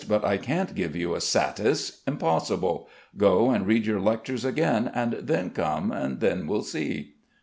"But I can't give you a 'satis' impossible. Go and read your lectures again, and then come. Then we'll see."